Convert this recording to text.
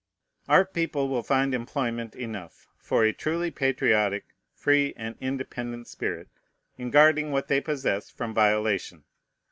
Our people will find employment enough for a truly patriotic, free, and independent spirit, in guarding what they possess from violation.